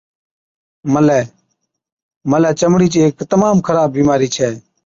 ملَی Eczema, ملَي چمڙِي چِي هيڪ تمام خراب بِيمارِي ڇَي۔